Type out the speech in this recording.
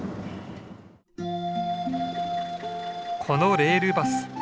このレールバス